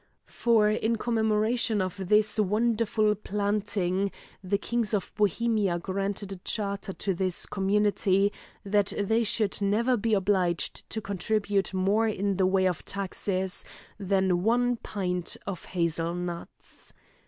For, in commemoration of this wonderful planting, the kings of Bohemia granted a charter to this community, that they should never be obliged to contribute more in the way of taxes than one pint of hazel nuts.